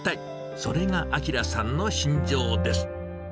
それが明さんの信条です。